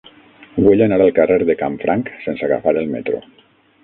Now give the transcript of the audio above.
Vull anar al carrer de Canfranc sense agafar el metro.